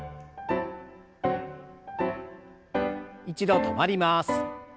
一度止まります。